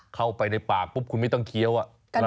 เข้าไปในปากปุ๊บคุณไม่ต้องเคี้ยว